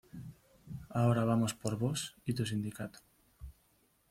Ahora vamos por vos y tu sindicato.